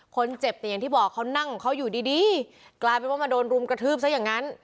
คนเจ็บเนี่ยอย่างที่บอกเขานั่งเขาอยู่ดีดีกลายเป็นว่ามาโดนรุมกระทืบซะอย่างนั้น